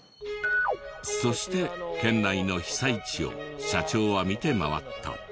そして県内の被災地を社長は見て回った。